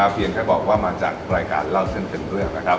เพียงแค่บอกว่ามาจากรายการเล่าเส้นเป็นเรื่องนะครับ